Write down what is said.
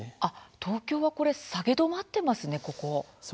東京も下げ止まっていますね。